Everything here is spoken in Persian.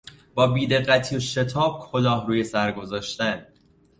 با بیدقتی و شتاب کلاه روی سر گذاشتن